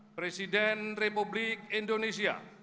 presiden republik indonesia